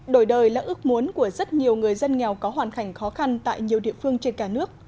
đổi đời là ước muốn của rất nhiều người dân nghèo có hoàn cảnh khó khăn tại nhiều địa phương trên cả nước